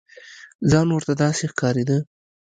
ځان ورته داسې ښکارېده.